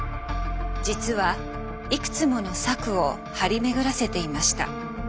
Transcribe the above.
実はいくつもの策を張り巡らせていました。